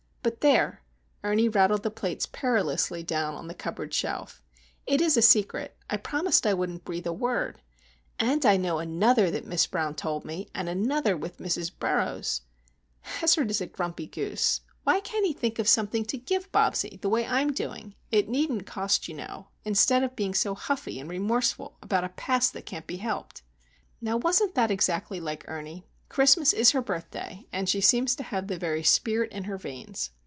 But there,"—Ernie rattled the plates perilously down on the cupboard shelf. "It's a secret. I promised I wouldn't breathe a word! And I know another that Miss Brown told me, and another with Mrs. Burroughs! Hazard is a grumpy goose. Why can't he think of something to give Bobsie, the way I'm doing,—it needn't cost, you know,—instead of being so huffy and remorseful about a Past that can't be Helped?" Now wasn't that exactly like Ernie? Christmas is her birthday, and she seems to have the very spirit in her veins.